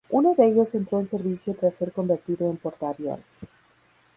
Uno de ellos entró en servicio tras ser convertido en portaaviones.